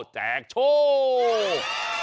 แจกโชว์